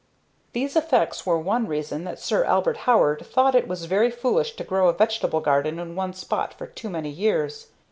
These effects were one reason that Sir Albert Howard thought it was very foolish to grow a vegetable garden in one spot for too many years.